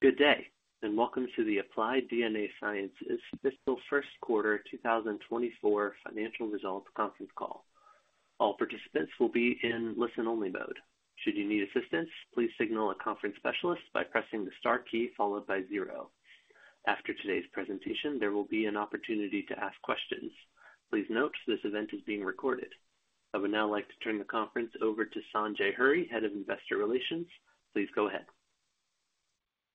Good day, and welcome to the Applied DNA Sciences Fiscal First Quarter 2024 Financial Results Conference Call. All participants will be in listen-only mode. Should you need assistance, please signal a conference specialist by pressing the star key followed by zero. After today's presentation, there will be an opportunity to ask questions. Please note, this event is being recorded. I would now like to turn the conference over to Sanjay Hurry, Head of Investor Relations. Please go ahead.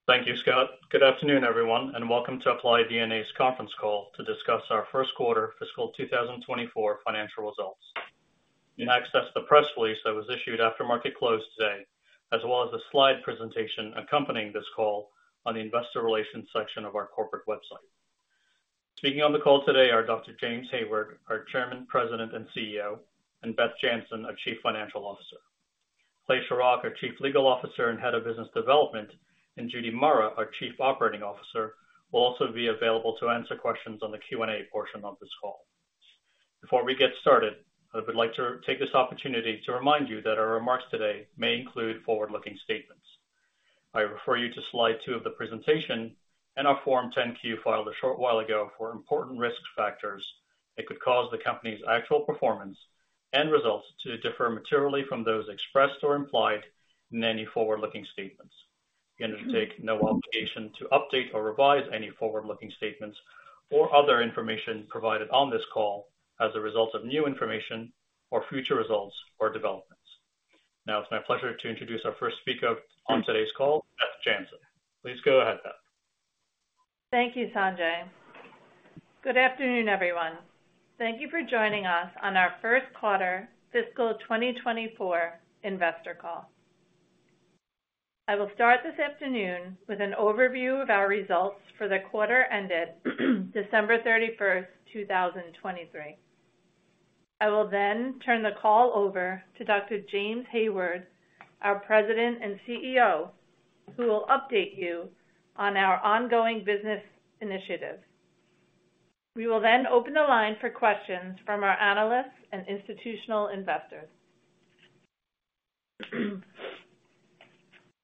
Thank you, Scott. Good afternoon, everyone, and welcome to Applied DNA's conference call to discuss our first quarter fiscal 2024 financial results. You can access the press release that was issued after market close today, as well as the slide presentation accompanying this call on the Investor Relations section of our corporate website. Speaking on the call today are Dr. James Hayward, our Chairman, President, and CEO, and Beth Jantzen, our Chief Financial Officer. Clay Shorrock, our Chief Legal Officer and Head of Business Development, and Judy Murrah, our Chief Operating Officer, will also be available to answer questions on the Q&A portion of this call. Before we get started, I would like to take this opportunity to remind you that our remarks today may include forward-looking statements. I refer you to slide two of the presentation and our Form 10-Q, filed a short while ago, for important risk factors that could cause the company's actual performance and results to differ materially from those expressed or implied in any forward-looking statements. We undertake no obligation to update or revise any forward-looking statements or other information provided on this call as a result of new information or future results or developments. Now, it's my pleasure to introduce our first speaker on today's call, Beth Jantzen. Please go ahead, Beth. Thank you, Sanjay. Good afternoon, everyone. Thank you for joining us on our first quarter fiscal 2024 investor call. I will start this afternoon with an overview of our results for the quarter ended December 31, 2023. I will then turn the call over to Dr. James Hayward, our President and CEO, who will update you on our ongoing business initiatives. We will then open the line for questions from our analysts and institutional investors.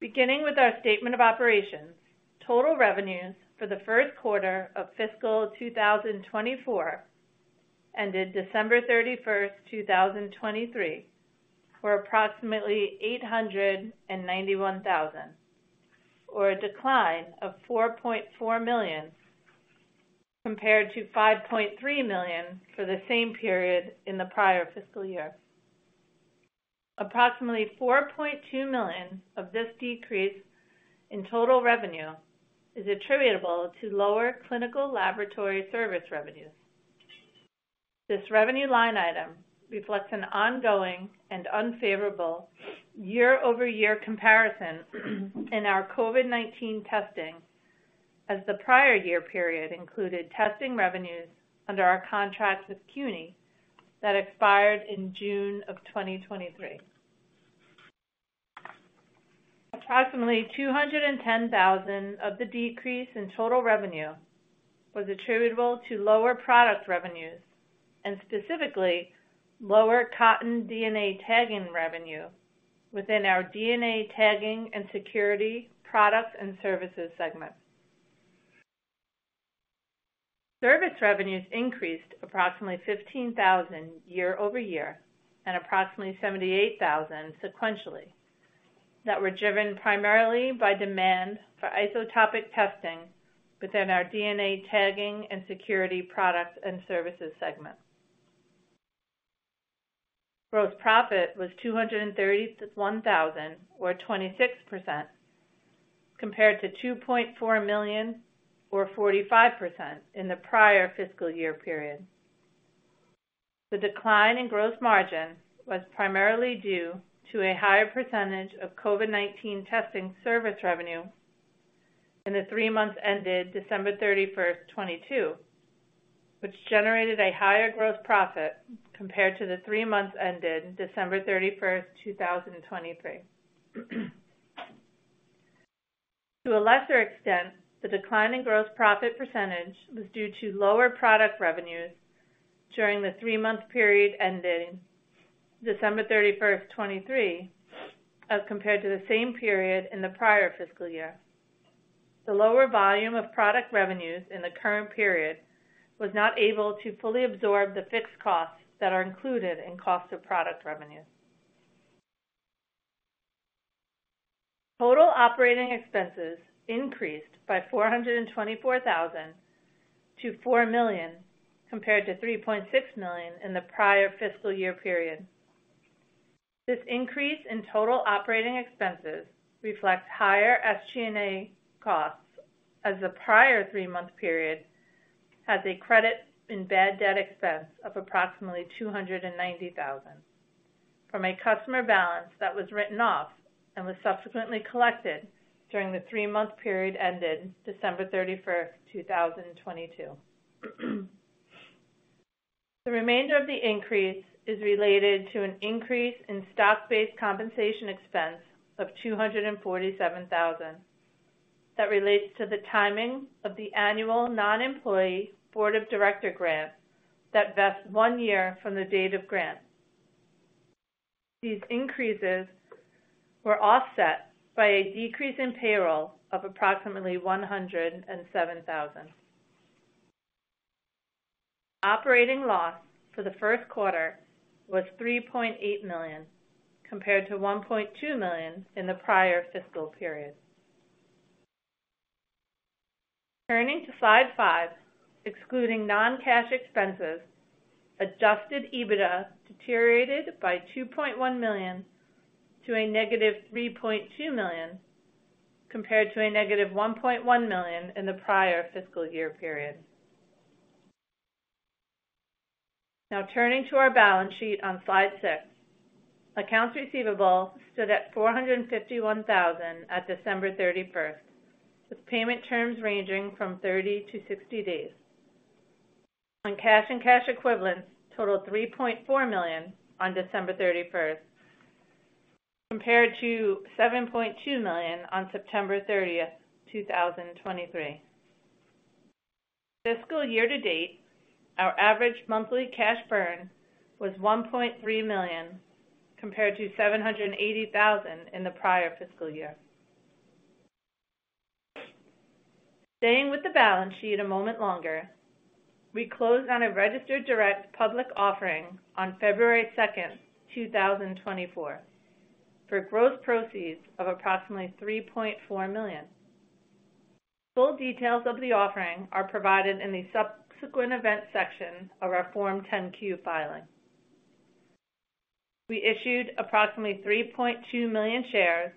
Beginning with our statement of operations, total revenues for the first quarter of fiscal 2024, ended December 31, 2023, were approximately $891,000, or a decline of $4.4 million compared to $5.3 million for the same period in the prior fiscal year. Approximately $4.2 million of this decrease in total revenue is attributable to lower clinical laboratory service revenues. This revenue line item reflects an ongoing and unfavorable year-over-year comparison in our COVID-19 testing, as the prior year period included testing revenues under our contract with CUNY that expired in June of 2023. Approximately $210,000 of the decrease in total revenue was attributable to lower product revenues and specifically lower cotton DNA tagging revenue within our DNA Tagging and Security Products and Services segment. Service revenues increased approximately $15,000 year-over-year and approximately $78,000 sequentially, that were driven primarily by demand for isotopic testing within our DNA Tagging and Security Products and Services segment. Gross profit was $231,000, or 26%, compared to $2.4 million, or 45%, in the prior fiscal year period. The decline in gross margin was primarily due to a higher percentage of COVID-19 testing service revenue in the three months ended December 31, 2022, which generated a higher gross profit compared to the three months ended December 31, 2023. To a lesser extent, the decline in gross profit percentage was due to lower product revenues during the three-month period ending December 31, 2023, as compared to the same period in the prior fiscal year. The lower volume of product revenues in the current period was not able to fully absorb the fixed costs that are included in cost of product revenues. Total operating expenses increased by $424,000 to $4 million, compared to $3.6 million in the prior fiscal year period. This increase in total operating expenses reflects higher SG&A costs, as the prior three-month period had a credit in bad debt expense of approximately $290,000 from a customer balance that was written off and was subsequently collected during the three-month period ended December 31, 2022. The remainder of the increase is related to an increase in stock-based compensation expense of $247,000. That relates to the timing of the annual non-employee board of director grant that vests one year from the date of grant. These increases were offset by a decrease in payroll of approximately $107,000. Operating loss for the first quarter was $3.8 million, compared to $1.2 million in the prior fiscal period. Turning to Slide 5, excluding non-cash expenses, adjusted EBITDA deteriorated by $2.1 million to a negative $3.2 million, compared to a negative $1.1 million in the prior fiscal year period. Now, turning to our balance sheet on Slide 6, accounts receivable stood at $451,000 at December 31, with payment terms ranging from 30 to 60 days. On cash and cash equivalents totaled $3.4 million on December 31, compared to $7.2 million on September 30, 2023. Fiscal year to date, our average monthly cash burn was $1.3 million, compared to $780,000 in the prior fiscal year. Staying with the balance sheet a moment longer, we closed on a registered direct public offering on February 2, 2024, for gross proceeds of approximately $3.4 million. Full details of the offering are provided in the Subsequent Events section of our Form 10-Q filing. We issued approximately 3.2 million shares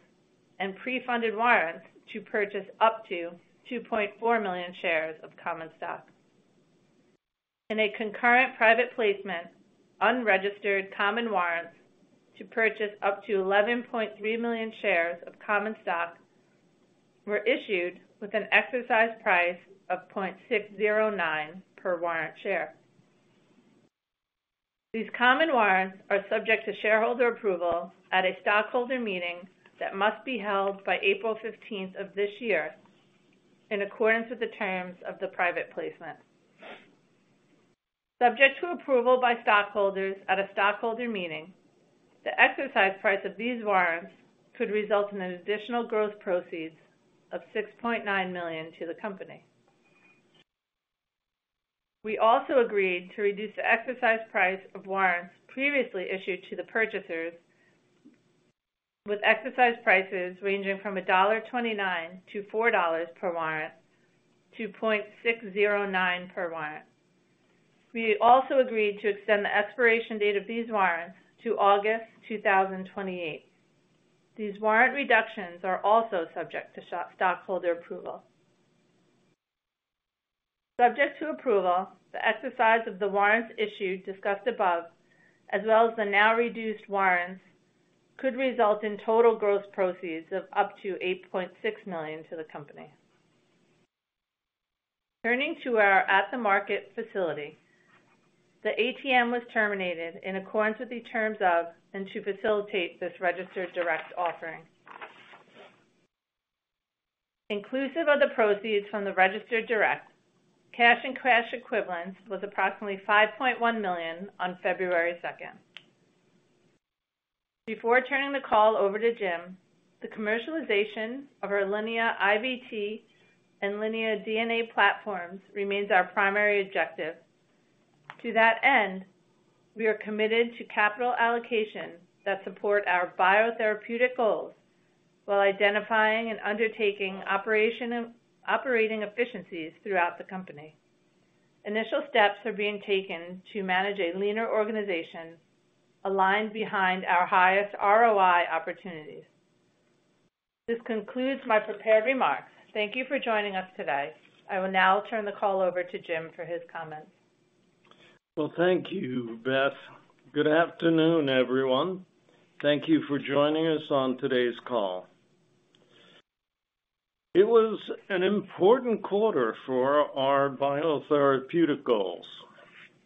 and pre-funded warrants to purchase up to 2.4 million shares of common stock. In a concurrent private placement, unregistered common warrants to purchase up to 11.3 million shares of common stock were issued with an exercise price of $0.609 per warrant share. These common warrants are subject to shareholder approval at a stockholder meeting that must be held by April 15th of this year, in accordance with the terms of the private placement. Subject to approval by stockholders at a stockholder meeting, the exercise price of these warrants could result in an additional gross proceeds of $6.9 million to the company. We also agreed to reduce the exercise price of warrants previously issued to the purchasers, with exercise prices ranging from $1.29-$4 per warrant to $0.609 per warrant. We also agreed to extend the expiration date of these warrants to August 2028. These warrant reductions are also subject to stockholder approval. Subject to approval, the exercise of the warrants issued, discussed above, as well as the now reduced warrants, could result in total gross proceeds of up to $8.6 million to the company. Turning to our at-the-market facility, the ATM was terminated in accordance with the terms of, and to facilitate this registered direct offering. Inclusive of the proceeds from the registered direct, cash and cash equivalents was approximately $5.1 million on February 2. Before turning the call over to Jim, the commercialization of our Linea IVT and Linea DNA platforms remains our primary objective. To that end, we are committed to capital allocation that support our biotherapeutic goals, while identifying and undertaking operating efficiencies throughout the company. Initial steps are being taken to manage a leaner organization aligned behind our highest ROI opportunities. This concludes my prepared remarks. Thank you for joining us today. I will now turn the call over to Jim for his comments. Well, thank you, Beth. Good afternoon, everyone. Thank you for joining us on today's call. It was an important quarter for our biotherapeutic goals.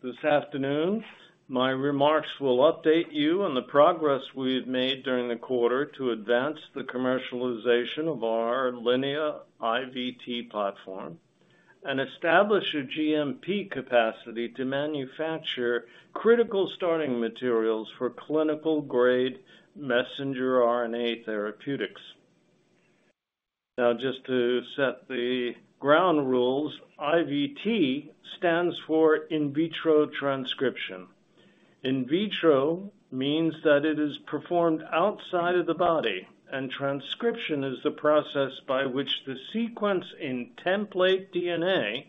This afternoon, my remarks will update you on the progress we've made during the quarter to advance the commercialization of our Linea IVT platform and establish a GMP capacity to manufacture critical starting materials for clinical-grade messenger RNA therapeutics. Now, just to set the ground rules, IVT stands for in vitro transcription. In vitro means that it is performed outside of the body, and transcription is the process by which the sequence in template DNA,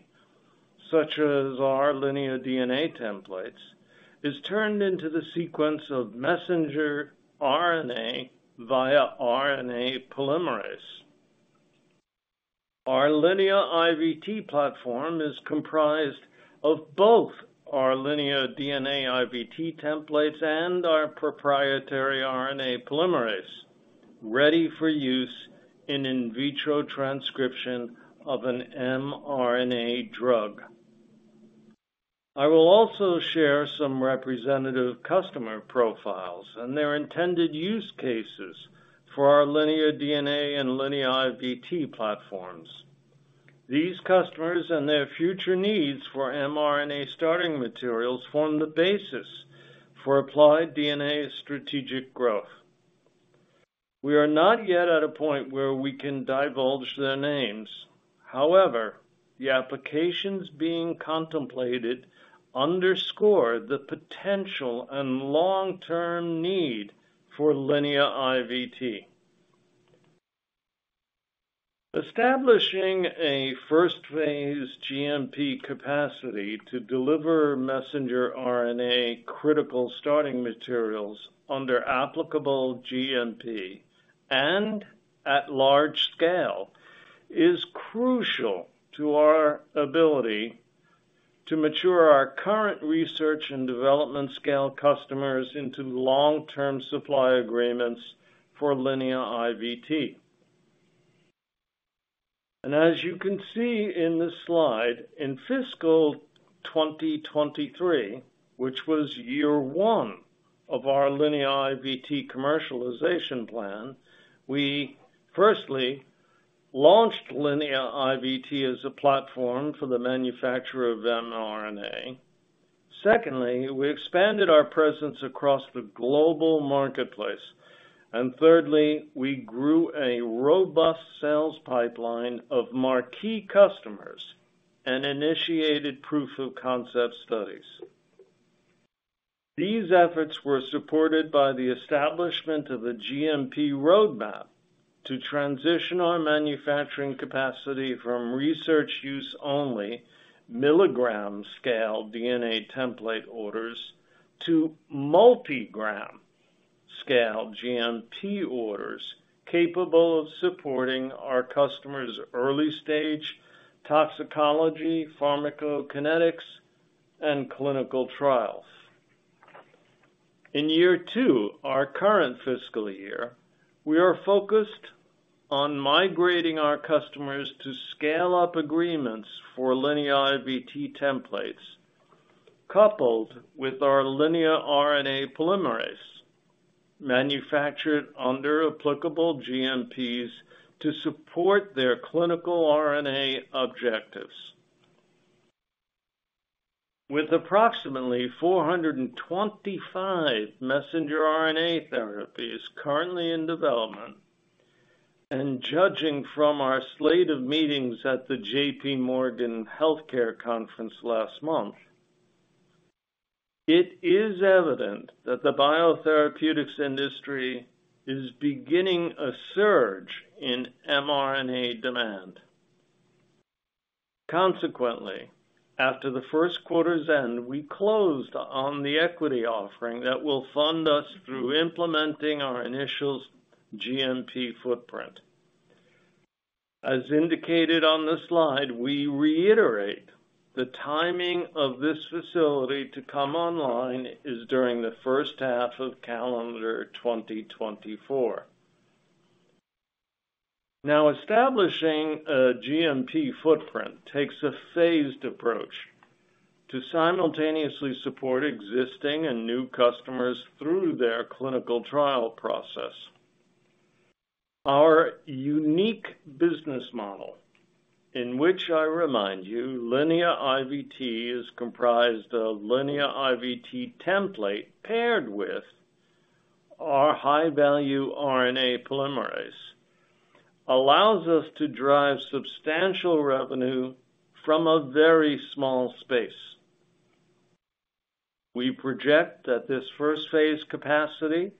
such as our Linea DNA templates, is turned into the sequence of messenger RNA via RNA polymerase. Our Linea IVT platform is comprised of both our Linea DNA IVT templates and our proprietary RNA polymerase, ready for use in in vitro transcription of an mRNA drug. I will also share some representative customer profiles and their intended use cases for our Linea DNA and Linea IVT platforms. These customers and their future needs for mRNA starting materials form the basis for Applied DNA's strategic growth. We are not yet at a point where we can divulge their names. However, the applications being contemplated underscore the potential and long-term need for Linea IVT. Establishing a first phase GMP capacity to deliver messenger RNA critical starting materials under applicable GMP and at large scale is crucial to our ability to mature our current research and development scale customers into long-term supply agreements for Linea IVT. As you can see in this slide, in fiscal 2023, which was year one of our Linea IVT commercialization plan, we firstly launched Linea IVT as a platform for the manufacture of mRNA. Secondly, we expanded our presence across the global marketplace. Thirdly, we grew a robust sales pipeline of marquee customers and initiated proof of concept studies. These efforts were supported by the establishment of a GMP roadmap to transition our manufacturing capacity from research use only, milligram scale DNA template orders, to multi-gram scale GMP orders, capable of supporting our customers' early stage toxicology, pharmacokinetics, and clinical trials. In year two, our current fiscal year, we are focused on migrating our customers to scale-up agreements for Linea IVT templates, coupled with our Linea RNA Polymerase, manufactured under applicable GMPs to support their clinical RNA objectives. With approximately 425 messenger RNA therapies currently in development, and judging from our slate of meetings at the JPMorgan Health Care Conference last month, it is evident that the biotherapeutics industry is beginning a surge in mRNA demand. Consequently, after the first quarter's end, we closed on the equity offering that will fund us through implementing our initial GMP footprint. As indicated on the slide, we reiterate the timing of this facility to come online is during the first half of calendar 2024. Now, establishing a GMP footprint takes a phased approach to simultaneously support existing and new customers through their clinical trial process. Our unique business model, in which I remind you, Linea IVT is comprised of Linea IVT template, paired with our high-value RNA polymerase, allows us to drive substantial revenue from a very small space. We project that this first phase capacity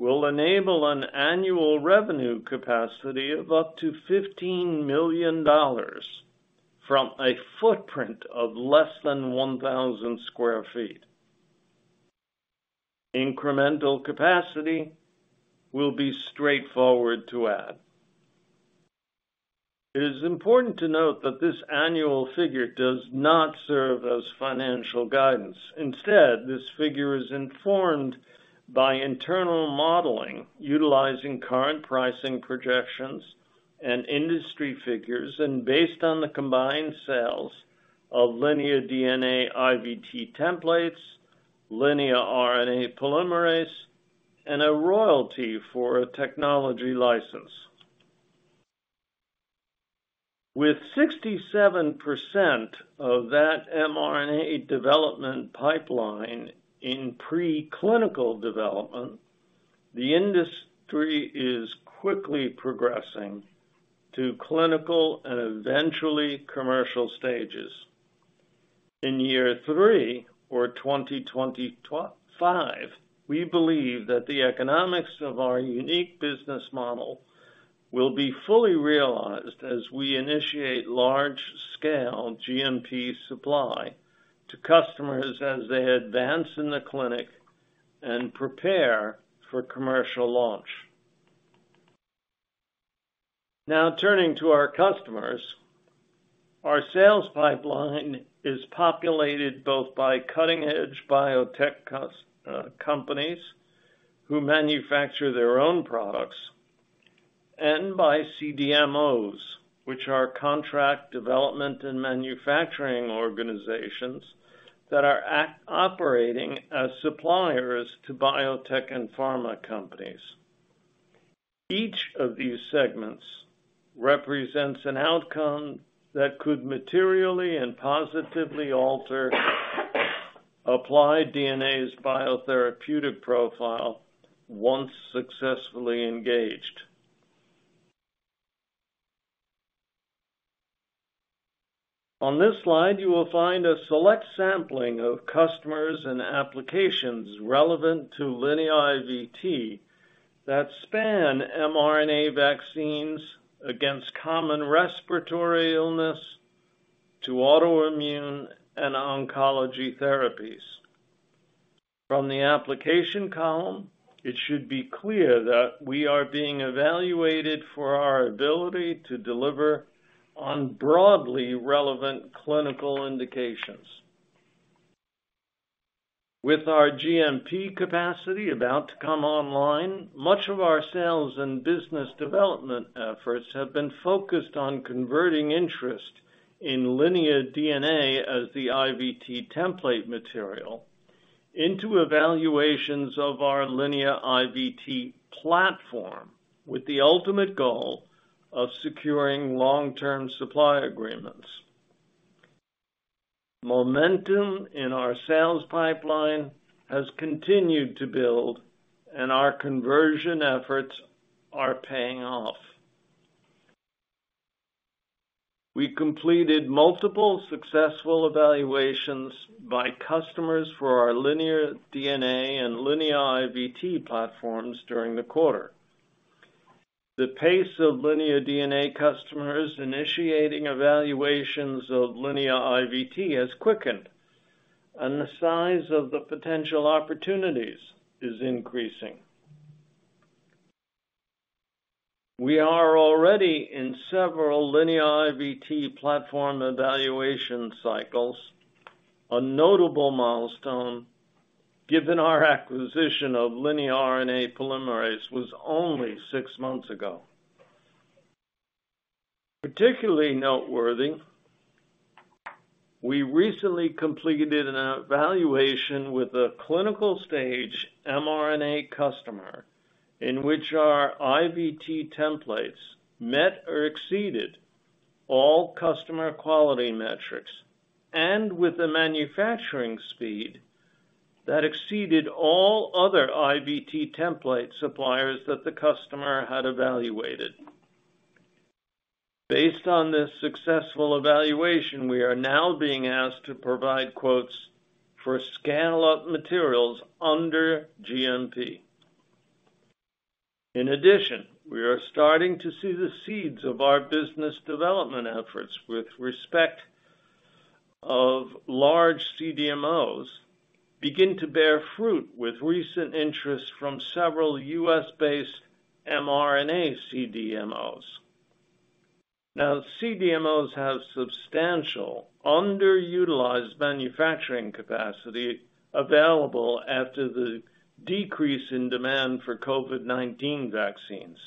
will enable an annual revenue capacity of up to $15 million from a footprint of less than 1,000 sq ft. Incremental capacity will be straightforward to add. It is important to note that this annual figure does not serve as financial guidance. Instead, this figure is informed by internal modeling, utilizing current pricing projections and industry figures, and based on the combined sales of Linea DNA IVT templates, Linea RNA Polymerase, and a royalty for a technology license. With 67% of that mRNA development pipeline in preclinical development, the industry is quickly progressing to clinical and eventually commercial stages. In year three, or 2025, we believe that the economics of our unique business model will be fully realized as we initiate large-scale GMP supply to customers as they advance in the clinic and prepare for commercial launch. Now, turning to our customers, our sales pipeline is populated both by cutting-edge biotech companies, who manufacture their own products, and by CDMOs, which are contract development and manufacturing organizations, that are operating as suppliers to biotech and pharma companies. Each of these segments represents an outcome that could materially and positively alter Applied DNA's biotherapeutic profile, once successfully engaged. On this slide, you will find a select sampling of customers and applications relevant to Linea IVT, that span mRNA vaccines against common respiratory illness, to autoimmune and oncology therapies. From the application column, it should be clear that we are being evaluated for our ability to deliver on broadly relevant clinical indications. With our GMP capacity about to come online, much of our sales and business development efforts have been focused on converting interest in Linea DNA as the IVT template material, into evaluations of our Linea IVT platform, with the ultimate goal of securing long-term supply agreements. Momentum in our sales pipeline has continued to build, and our conversion efforts are paying off. We completed multiple successful evaluations by customers for our Linea DNA and Linea IVT platforms during the quarter. The pace of Linea DNA customers initiating evaluations of Linea IVT has quickened, and the size of the potential opportunities is increasing. We are already in several Linea IVT platform evaluation cycles, a notable milestone, given our acquisition of Linea RNA Polymerase was only six months ago. Particularly noteworthy, we recently completed an evaluation with a clinical-stage mRNA customer, in which our IVT templates met or exceeded all customer quality metrics, and with the manufacturing speed that exceeded all other IVT template suppliers that the customer had evaluated. Based on this successful evaluation, we are now being asked to provide quotes for scale-up materials under GMP. In addition, we are starting to see the seeds of our business development efforts with respect to large CDMOs begin to bear fruit with recent interest from several U.S.-based mRNA CDMOs. Now, CDMOs have substantial underutilized manufacturing capacity available after the decrease in demand for COVID-19 vaccines.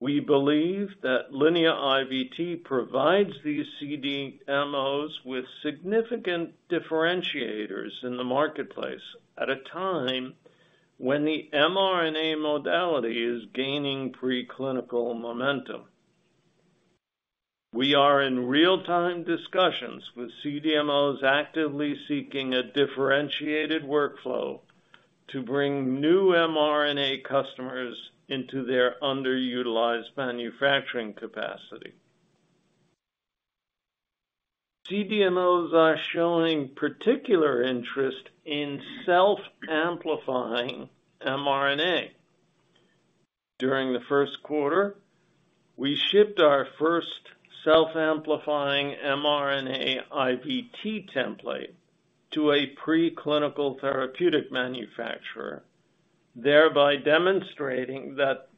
We believe that Linea IVT provides these CDMOs with significant differentiators in the marketplace, at a time when the mRNA modality is gaining preclinical momentum. We are in real-time discussions with CDMOs actively seeking a differentiated workflow to bring new mRNA customers into their underutilized manufacturing capacity. CDMOs are showing particular interest in self-amplifying mRNA. During the first quarter, we shipped our first self-amplifying mRNA IVT template to a preclinical therapeutic manufacturer, thereby demonstrating that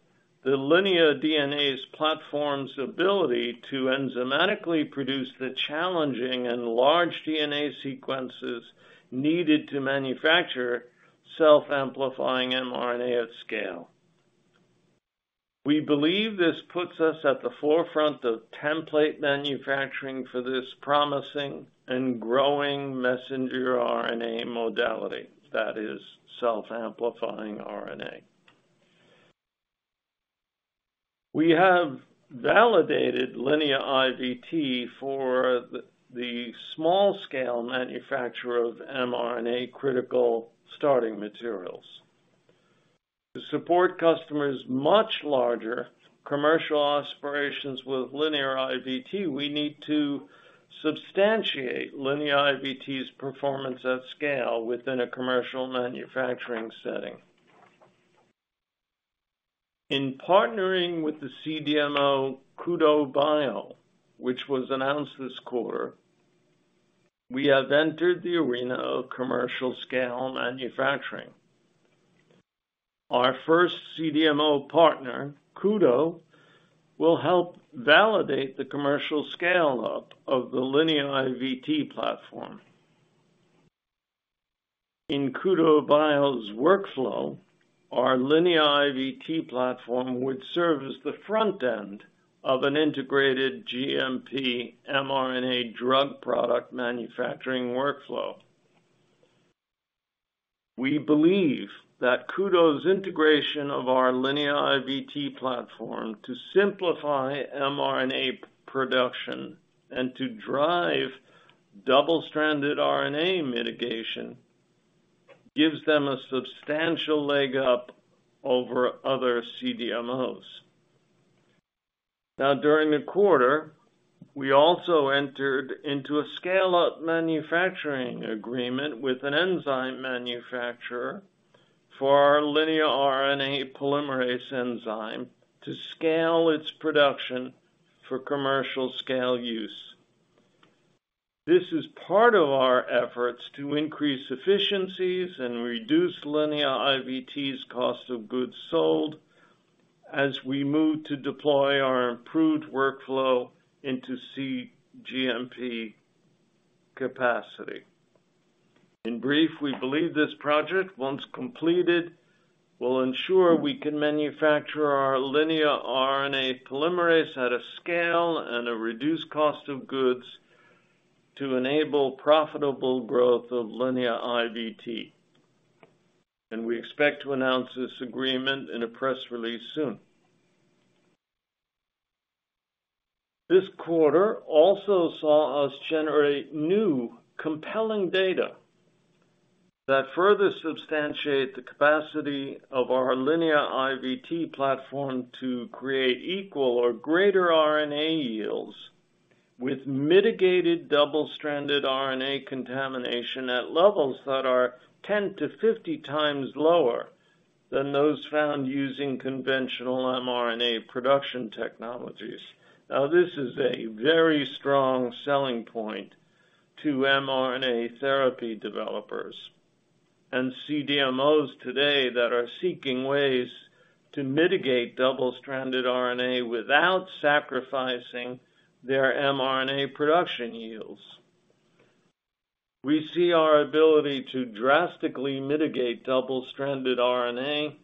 the Linea DNA's platform's ability to enzymatically produce the challenging and large DNA sequences needed to manufacture self-amplifying mRNA at scale. We believe this puts us at the forefront of template manufacturing for this promising and growing messenger RNA modality, that is, self-amplifying RNA. We have validated Linea IVT for the small scale manufacture of mRNA critical starting materials. To support customers much larger commercial aspirations with Linea IVT, we need to substantiate Linea IVT's performance at scale, within a commercial manufacturing setting. In partnering with the CDMO Kudo Bio, which was announced this quarter, we have entered the arena of commercial scale manufacturing. Our first CDMO partner, Kudo, will help validate the commercial scale-up of the Linea IVT platform. In Kudo Bio's workflow, our Linea IVT platform would serve as the front end of an integrated GMP mRNA drug product manufacturing workflow. We believe that Kudo's integration of our Linea IVT platform to simplify mRNA production and to drive double-stranded RNA mitigation, gives them a substantial leg up over other CDMOs. Now, during the quarter, we also entered into a scale-up manufacturing agreement with an enzyme manufacturer for our Linea RNA Polymerase enzyme to scale its production for commercial scale use. This is part of our efforts to increase efficiencies and reduce Linea IVT's cost of goods sold as we move to deploy our improved workflow into cGMP capacity. In brief, we believe this project, once completed, will ensure we can manufacture our Linea RNA Polymerase at a scale and a reduced cost of goods to enable profitable growth of Linea IVT, and we expect to announce this agreement in a press release soon. This quarter also saw us generate new, compelling data that further substantiate the capacity of our Linea IVT platform to create equal or greater RNA yields with mitigated double-stranded RNA contamination at levels that are 10x-50x lower than those found using conventional mRNA production technologies. Now, this is a very strong selling point to mRNA therapy developers and CDMOs today that are seeking ways to mitigate double-stranded RNA without sacrificing their mRNA production yields. We see our ability to drastically mitigate double-stranded RNA,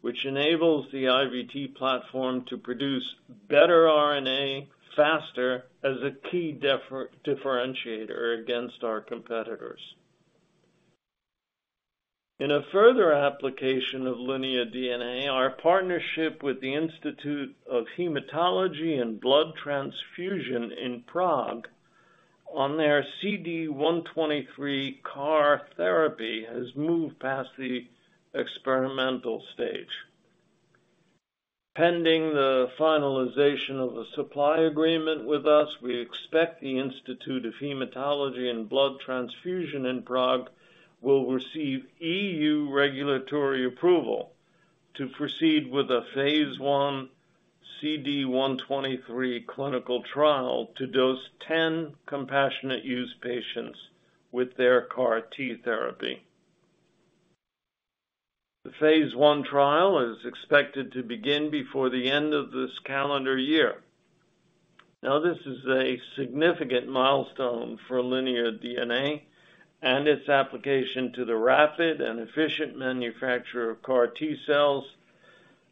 which enables the IVT platform to produce better RNA faster, as a key differentiator against our competitors. In a further application of Linea DNA, our partnership with the Institute of Hematology and Blood Transfusion in Prague on their CD123 CAR-T therapy, has moved past the experimental stage. Pending the finalization of a supply agreement with us, we expect the Institute of Hematology and Blood Transfusion in Prague will receive EU regulatory approval to proceed with a phase I CD123 clinical trial to dose 10 compassionate use patients with their CAR-T therapy. The phase I trial is expected to begin before the end of this calendar year. Now, this is a significant milestone for Linea DNA and its application to the rapid and efficient manufacture of CAR-T cells,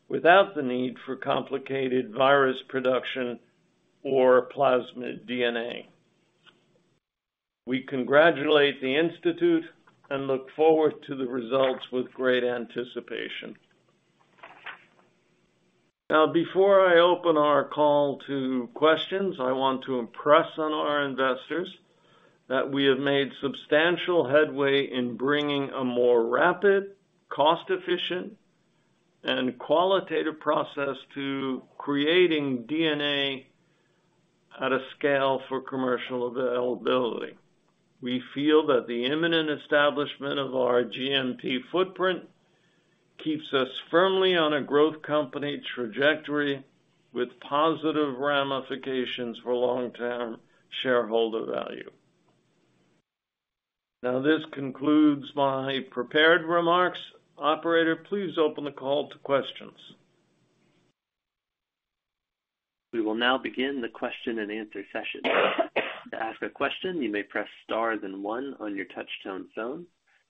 without the need for complicated virus production or plasmid DNA. We congratulate the institute and look forward to the results with great anticipation. Now, before I open our call to questions, I want to impress on our investors that we have made substantial headway in bringing a more rapid, cost-efficient, and qualitative process to creating DNA at a scale for commercial availability. We feel that the imminent establishment of our GMP footprint keeps us firmly on a growth company trajectory with positive ramifications for long-term shareholder value. Now, this concludes my prepared remarks. Operator, please open the call to questions. We will now begin the question-and-answer session. To ask a question, you may press star then one on your touchtone phone.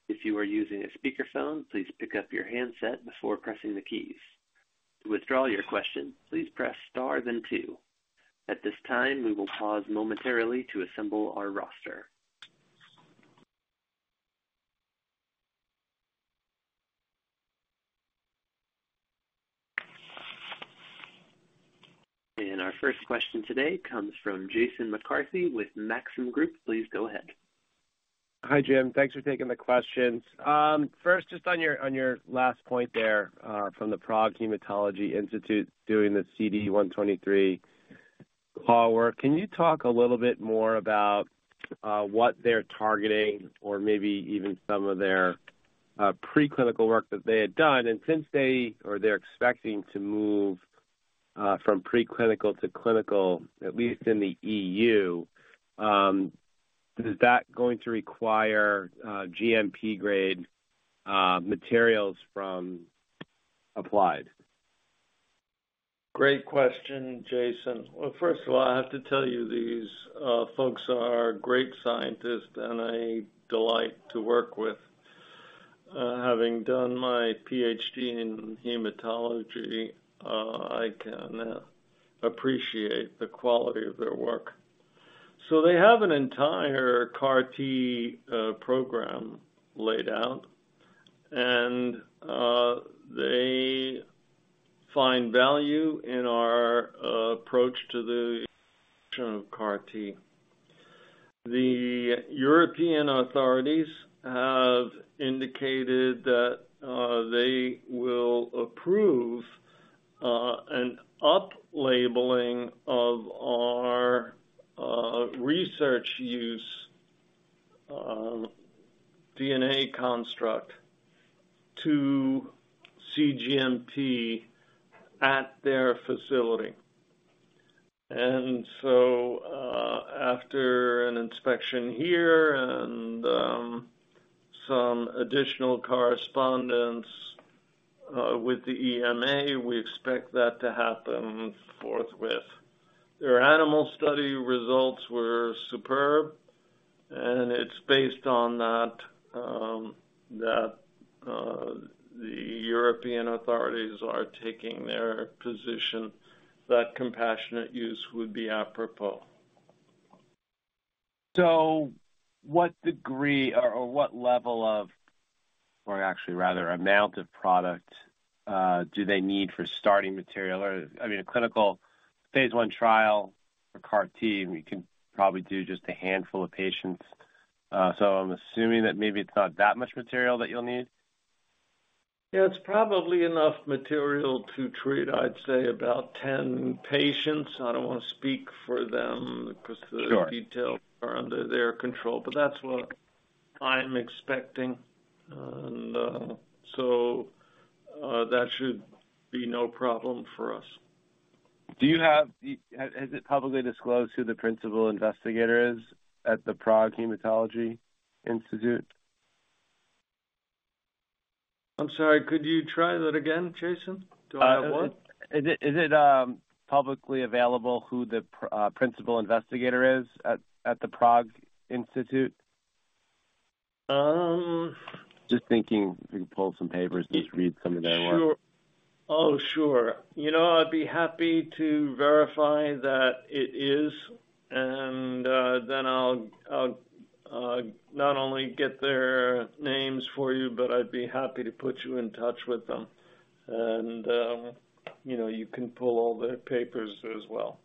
If you are using a speakerphone, please pick up your handset before pressing the keys. To withdraw your question, please press star then two. At this time, we will pause momentarily to assemble our roster. Our first question today comes from Jason McCarthy with Maxim Group. Please go ahead. Hi, Jim. Thanks for taking the questions. First, just on your last point there, from the Prague Hematology Institute doing the CD123 CAR, can you talk a little bit more about what they're targeting or maybe even some of their preclinical work that they had done? And since they, or they're expecting to move from preclinical to clinical, at least in the EU, is that going to require GMP-grade materials from Applied? Great question, Jason. Well, first of all, I have to tell you, these folks are great scientists and a delight to work with, having done my Ph.D. in hematology, I can appreciate the quality of their work. So they have an entire CAR-T program laid out, and they find value in our approach to the CAR-T. The European authorities have indicated that they will approve an up-labeling of our research use DNA construct to cGMP at their facility. And so, after an inspection here and some additional correspondence with the EMA, we expect that to happen forthwith. Their animal study results were superb, and it's based on that the European authorities are taking their position, that compassionate use would be apropos. So what degree or what level of, actually rather, amount of product do they need for starting material? Or, I mean, a clinical phase I trial for CAR-T, we can probably do just a handful of patients. So I'm assuming that maybe it's not that much material that you'll need. Yeah, it's probably enough material to treat, I'd say, about 10 patients. I don't want to speak for them- Sure. - because the details are under their control, but that's what I'm expecting. And, so, that should be no problem for us. Has it publicly disclosed who the principal investigator is at the Prague Hematology Institute? I'm sorry. Could you try that again, Jason? Do I what? Is it publicly available who the principal investigator is at the Prague Institute? Um- Just thinkin g, we can pull some papers, just read some of them. Sure. Oh, sure. You know, I'd be happy to verify that it is, and then I'll not only get their names for you, but I'd be happy to put you in touch with them. You know, you can pull all their papers as well.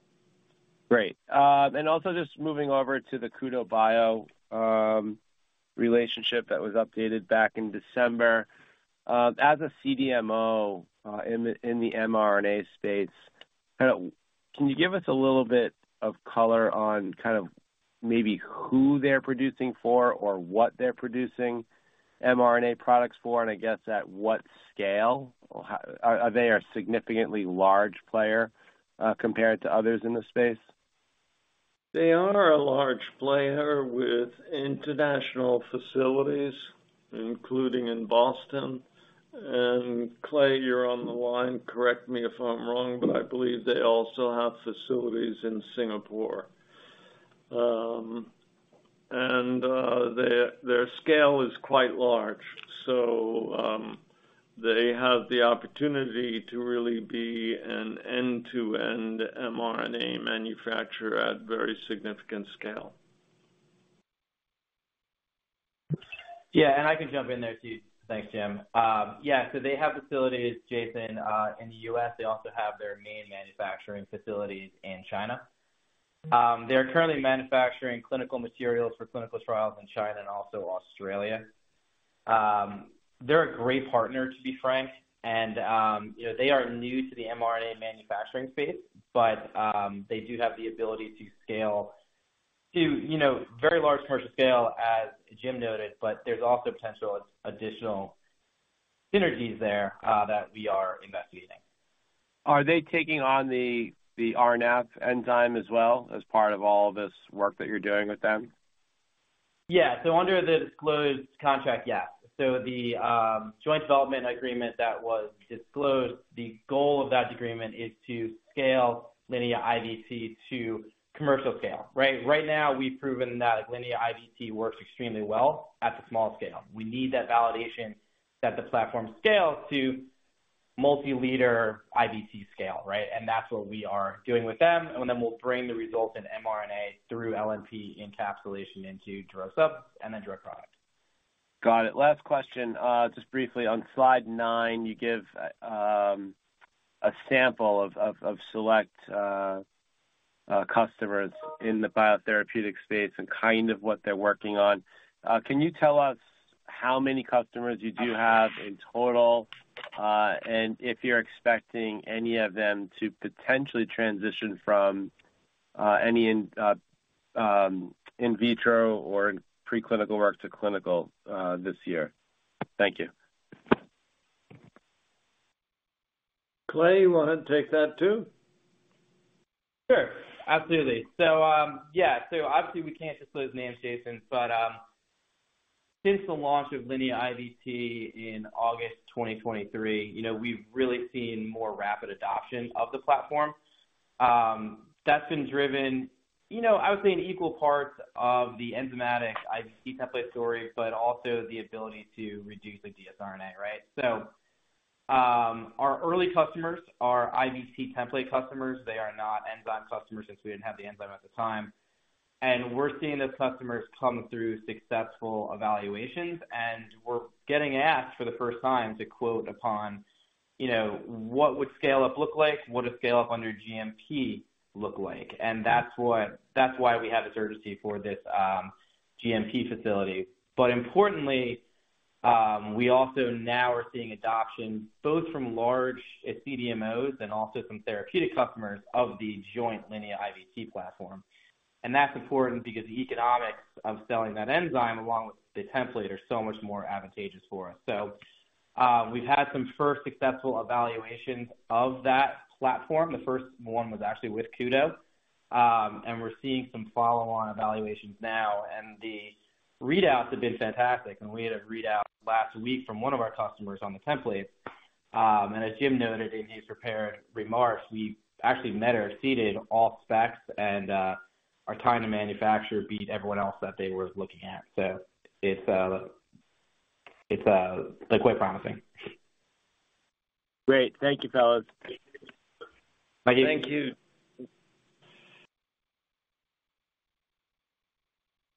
Great. And also just moving over to the Kudo Biotechnology relationship that was updated back in December. As a CDMO in the mRNA space, kind of, can you give us a little bit of color on kind of maybe who they're producing for or what they're producing mRNA products for, and I guess at what scale? Or how are they a significantly large player compared to others in the space? They are a large player with international facilities, including in Boston. And Clay, you're on the line, correct me if I'm wrong, but I believe they also have facilities in Singapore. And their scale is quite large, so they have the opportunity to really be an end-to-end mRNA manufacturer at very significant scale. Yeah, and I can jump in there too. Thanks, Jim. Yeah, so they have facilities, Jason, in the U.S. They also have their main manufacturing facilities in China. They're currently manufacturing clinical materials for clinical trials in China and also Australia. They're a great partner, to be frank, and, you know, they are new to the mRNA manufacturing space, but, they do have the ability to scale to, you know, very large commercial scale, as Jim noted, but there's also potential additional synergies there, that we are investigating. Are they taking on the RNF enzyme as well, as part of all this work that you're doing with them? Yeah. So under the disclosed contract, yeah. So the joint development agreement that was disclosed, the goal of that agreement is to scale Linea IVT to commercial scale, right? Right now, we've proven that Linea IVT works extremely well at the small scale. We need that validation that the platform scales to multi-liter IVT scale, right? And that's what we are doing with them, and then we'll bring the results in mRNA through LNP encapsulation into drug sub and then drug product. Got it. Last question, just briefly on slide nine, you give a sample of select customers in the biotherapeutic space and kind of what they're working on. Can you tell us how many customers you do have in total? And if you're expecting any of them to potentially transition from any in vitro or preclinical work to clinical this year? Thank you. Clay, you want to take that too? Sure. Absolutely. So, yeah, so obviously we can't disclose names, Jason, but, since the launch of Linea IVT in August 2023, you know, we've really seen more rapid adoption of the platform. That's been driven, you know, I would say, in equal parts of the enzymatic IVT template story, but also the ability to reduce the dsRNA, right? So, our early customers are IVT template customers. They are not enzyme customers, since we didn't have the enzyme at the time. And we're seeing those customers come through successful evaluations, and we're getting asked for the first time to quote upon, you know, what would scale-up look like? What does scale-up under GMP look like? And that's what - that's why we have this urgency for this, GMP facility. But importantly, we also now are seeing adoption, both from large CDMOs and also some therapeutic customers of the joint Linea IVT platform. That's important because the economics of selling that enzyme, along with the template, are so much more advantageous for us. We've had some first successful evaluations of that platform. The first one was actually with Kudo. We're seeing some follow-on evaluations now, and the readouts have been fantastic. We had a readout last week from one of our customers on the template. As Jim noted in his prepared remarks, we actually met or exceeded all specs, and our time to manufacture beat everyone else that they were looking at. It's quite promising. Great. Thank you, fellas. Thank you. Thank you.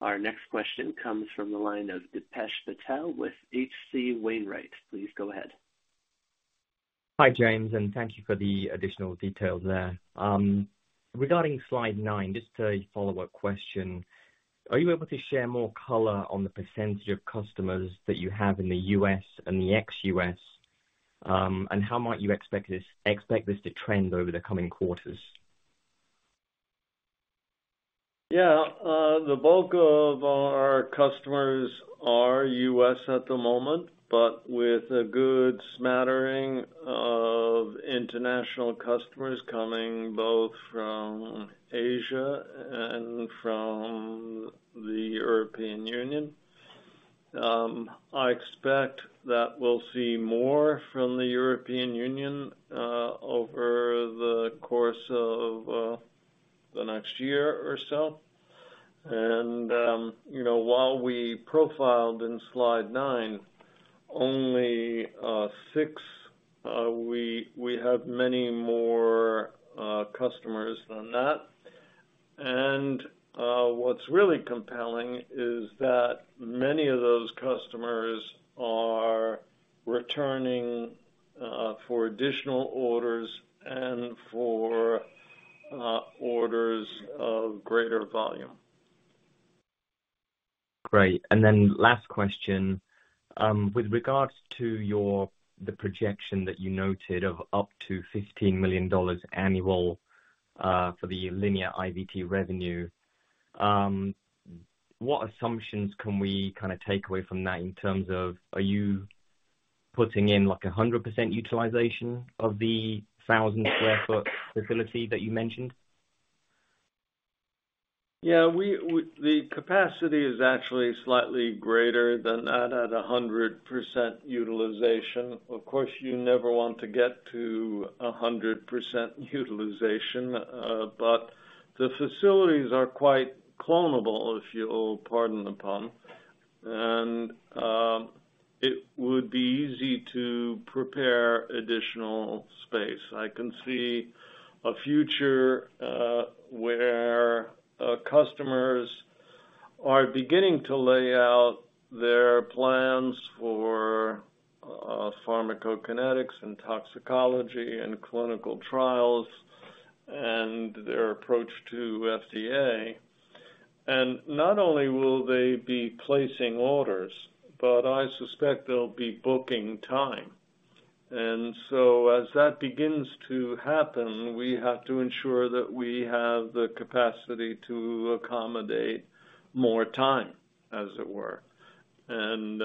Our next question comes from the line of Dipesh Patel with H.C. Wainwright. Please go ahead. Hi, James, and thank you for the additional details there. Regarding slide nine, just a follow-up question. Are you able to share more color on the percentage of customers that you have in the U.S. and the ex-U.S.? And how might you expect this to trend over the coming quarters? Yeah, the bulk of our customers are U.S. at the moment, but with a good smattering of international customers coming both from Asia and from the European Union. I expect that we'll see more from the European Union over the course of the next year or so. You know, while we profiled in slide nine only six, we have many more customers than that. What's really compelling is that many of those customers are returning for additional orders and for orders of greater volume. Great. Last question. With regards to your projection that you noted of up to $15 million annual for the Linea IVT revenue, what assumptions can we kinda take away from that in terms of, are you putting in, like, 100% utilization of the 1,000 sq ft facility that you mentioned? Yeah, the capacity is actually slightly greater than that at 100% utilization. Of course, you never want to get to 100% utilization, but the facilities are quite clonable, if you'll pardon the pun, and it would be easy to prepare additional space. I can see a future where customers are beginning to lay out their plans for pharmacokinetics and toxicology and clinical trials and their approach to FDA. And not only will they be placing orders, but I suspect they'll be booking time. And so as that begins to happen, we have to ensure that we have the capacity to accommodate more time, as it were. And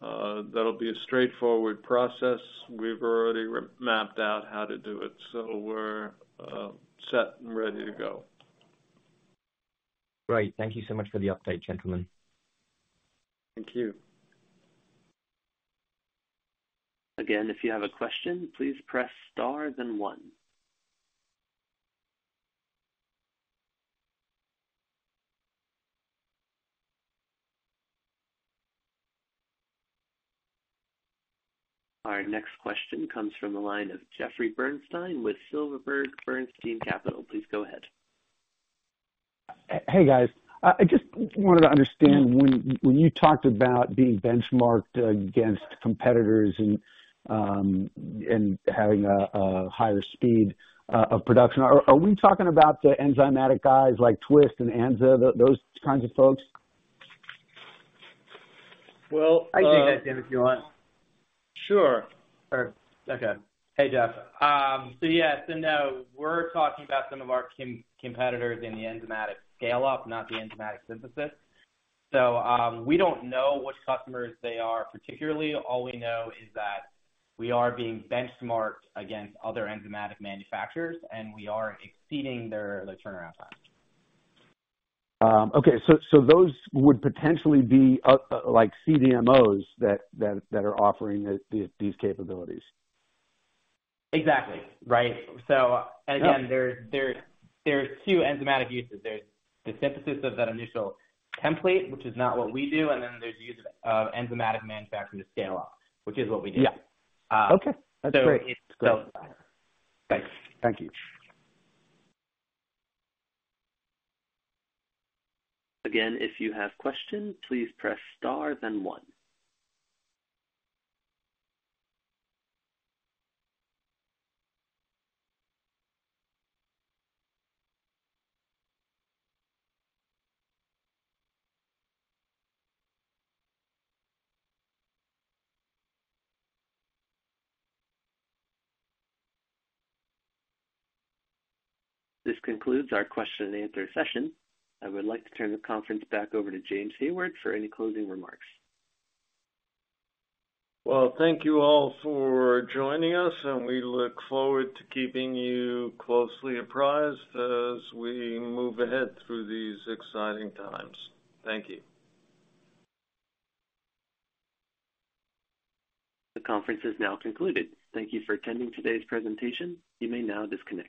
that'll be a straightforward process. We've already mapped out how to do it, so we're set and ready to go. Great. Thank you so much for the update, gentlemen. Thank you. Again, if you have a question, please press star, then one. Our next question comes from the line of Jeffrey Bernstein with Silverberg Bernstein Capital. Please go ahead. Hey, guys. I just wanted to understand, when you talked about being benchmarked against competitors and having a higher speed of production, are we talking about the enzymatic guys like Twist and Ansa, those kinds of folks? Well, uh- I can take that, Jim, if you want. Sure. Okay. Hey, Jeff. So yes and no. We're talking about some of our competitors in the enzymatic scale-up, not the enzymatic synthesis. So, we don't know which customers they are particularly. All we know is that we are being benchmarked against other enzymatic manufacturers, and we are exceeding their turnaround time. Okay, so those would potentially be like CDMOs that are offering these capabilities? Exactly, right. So and again, there, there's two enzymatic uses. There's the synthesis of that initial template, which is not what we do, and then there's use of enzymatic manufacturing to scale up, which is what we do. Yeah. Okay, that's great. So it... Great. Thanks. Thank you. Again, if you have questions, please press star then one. This concludes our question and answer session. I would like to turn the conference back over to James Hayward for any closing remarks. Well, thank you all for joining us, and we look forward to keeping you closely apprised as we move ahead through these exciting times. Thank you. The conference is now concluded. Thank you for attending today's presentation. You may now disconnect.